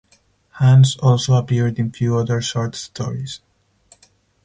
Hans also appeared in few other short stories.